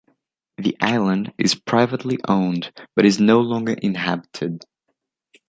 The island is privately owned but it is no longer inhabited.